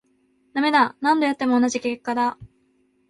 ダメだ、何度やっても同じ結果だ